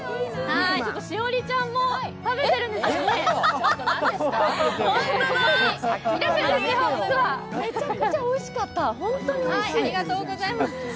栞里ちゃんも食べてるんですね。